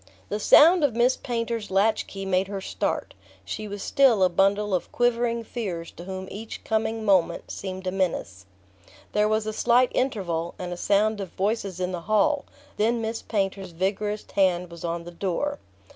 XXXI The sound of Miss Painter's latch key made her start. She was still a bundle of quivering fears to whom each coming moment seemed a menace. There was a slight interval, and a sound of voices in the hall; then Miss Painter's vigorous hand was on the door.